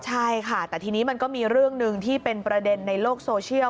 ใช่ค่ะแต่ทีนี้มันก็มีเรื่องหนึ่งที่เป็นประเด็นในโลกโซเชียล